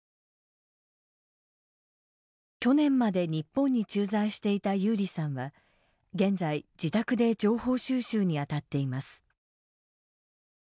去年まで日本に駐在していたユーリさんは現在、自宅で情報収集に当たっています。